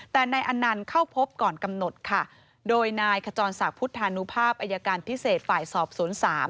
แต่นายอนันต์เข้าพบก่อนกำหนดค่ะโดยนายขจรศักดิ์พุทธานุภาพอายการพิเศษฝ่ายสอบสวนสาม